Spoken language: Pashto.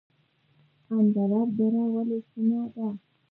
اندراب دره ولې شنه ده؟